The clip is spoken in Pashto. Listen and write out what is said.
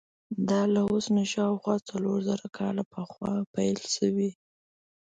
دا له اوس نه شاوخوا څلور زره کاله پخوا پیل شوی.